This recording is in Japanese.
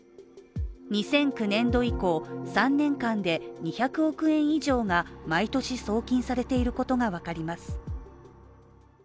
２００９年度以降、３年間で２００億円以上が毎年、送金されていることが分かります。